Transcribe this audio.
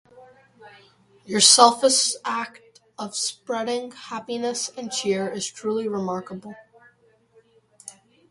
Your selfless act of spreading happiness and cheer is truly remarkable.